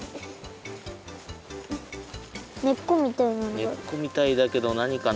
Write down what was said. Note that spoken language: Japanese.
ねっこみたいだけどなにかな？